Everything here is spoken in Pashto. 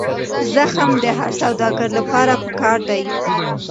زغم د هر سوداګر لپاره پکار دی.